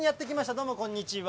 どうもこんにちは。